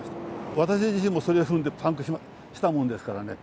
私自身もそれ踏んでパンクしたもんですからね。